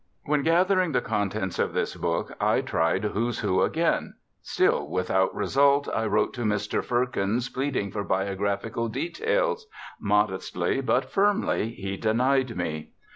When gathering the contents of this book I tried Who's Who again, still without result. I wrote to Mr. Firkins pleading for biographical details; modestly, but firmly, he denied me.